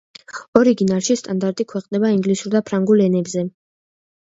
ორიგინალში სტანდარტი ქვეყნდება ინგლისურ და ფრანგულ ენებზე.